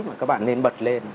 mà các bạn nên bật lên